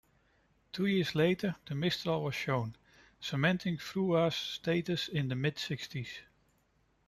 Two years later, the Mistral was shown, cementing Frua's status in the mid-sixties.